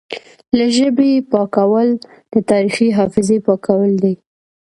له ژبې یې پاکول د تاریخي حافظې پاکول دي